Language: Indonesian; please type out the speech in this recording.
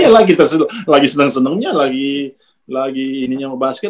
iya lagi terus lagi seneng senengnya lagi lagi ini mau basket